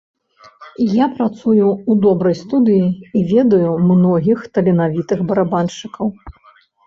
Я працую ў добрай студыі, і ведаю многіх таленавітых барабаншчыкаў.